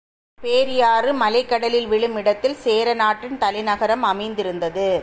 பேரியாறு மேலைக் கடலில் விழும் இடத்தில் சேரநாட்டின் தலைநகரம் அமைந்திருந்தது.